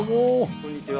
こんにちは。